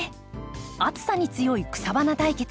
暑さに強い草花対決